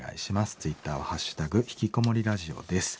ツイッターは「＃ひきこもりラジオ」です。